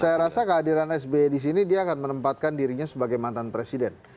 saya rasa kehadiran sby di sini dia akan menempatkan dirinya sebagai mantan presiden